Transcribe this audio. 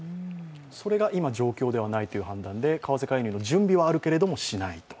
その状況ではないという判断で、為替介入の準備はあるけど、しないと？